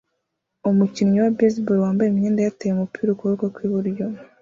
Umukinnyi wa baseball wambaye imyenda yateye umupira ukuboko kwiburyo